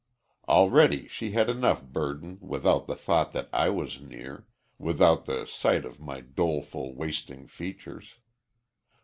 Already she had enough burden without the thought that I was near without the sight of my doleful, wasting features.